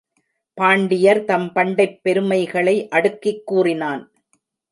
பாண்டியர் தம் பண்டைப் பெருமைகளை அடுக்கிக் கூறினான்.